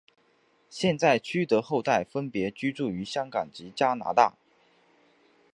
现在区德的后代分别居住于香港及加拿大。